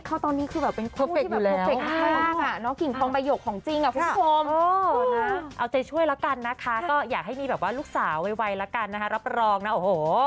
เขาตอนนี้คือเหลือคุณครับเอาไปช่วยล่ะกันนะคะก็อยากให้มีแบบว่าลูกสาวไวละกันนะคะรับประลองนะโอ้โห